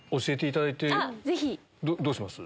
どうします？